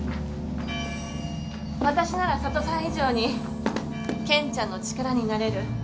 私なら佐都さん以上に健ちゃんの力になれる。